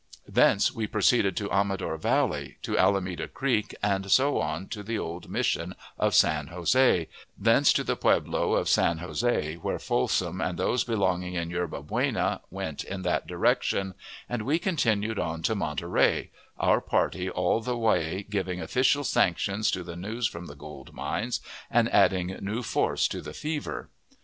Thence we proceeded up Amador Valley to Alameda Creek, and so on to the old mission of San Jose; thence to the pueblo of San Jose, where Folsom and those belonging in Yerba Buena went in that direction, and we continued on to Monterey, our party all the way giving official sanction to the news from the gold mines, and adding new force to the "fever."